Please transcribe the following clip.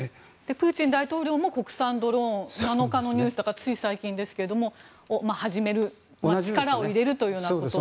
プーチン大統領も国産ドローンを７日のニュースだからつい最近ですが始める力を入れると。